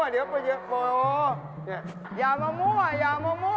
อ้าวผมเอาแบงค์พันธุ์ของพี่ไปแตกแล้ว